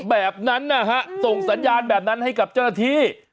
แบบนั้นนะฮะส่งสัญญาณแบบนั้นให้กับเจ้าหน้าที่